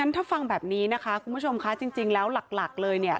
ถ้าฟังแบบนี้นะคะคุณผู้ชมคะจริงแล้วหลักเลยเนี่ย